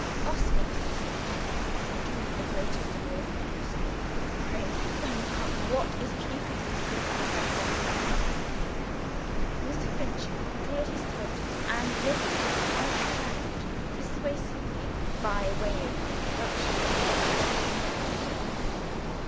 Oscar persisted. "Do me the greatest of all favors! Pray find out what is keeping Lucilla with that man!" Mr. Finch cleared his throat, and lifted his right hand persuasively by way of introduction to his next sentence.